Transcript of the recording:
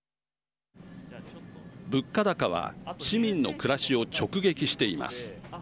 物価高は市民の暮らしを直撃しています。